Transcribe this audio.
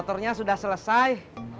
tontonnya sudah selesai